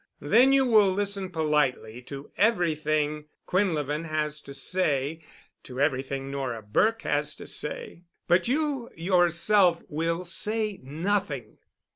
Then you will listen politely to everything Quinlevin has to say—to everything Nora Burke has to say, but you yourself will say nothing."